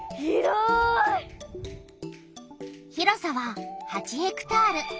広さは８ヘクタール。